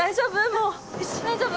もう大丈夫？